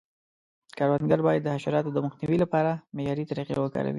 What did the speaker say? کروندګر باید د حشراتو د مخنیوي لپاره معیاري طریقې وکاروي.